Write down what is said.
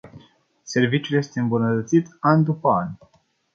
Serviciul este îmbunătățit an după an.